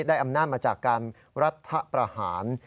ได้อำนาจมาจากการรัฐประหาร